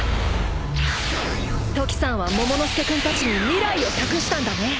［トキさんはモモの助君たちに未来を託したんだね］